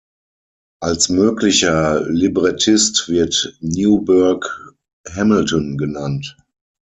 Als möglicher Librettist wird Newburgh Hamilton genannt.